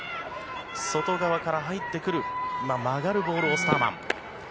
外側から入ってくる曲がるボール、オスターマン。